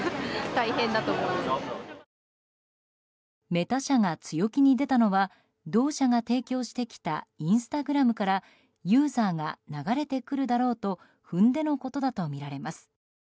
メタ社が強気に出たのは同社が提供してきたインスタグラムからユーザーが流れてくるだろうと踏んでのことだとみられます。